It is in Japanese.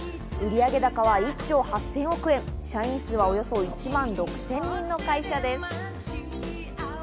売上高は１兆８０００億円、社員数はおよそ１万６０００人の会社です。